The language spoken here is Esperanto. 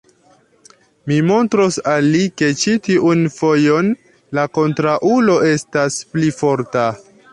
Mi montros al li, ke ĉi tiun fojon la kontraŭulo estas pli forta.